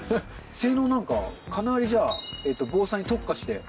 性能なんか、かなり防災に特化して？